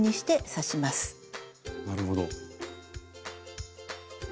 なるほど。